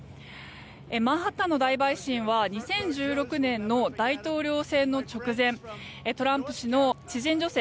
マンハッタンの大陪審は２０１６年の大統領選の直前トランプ氏の知人女性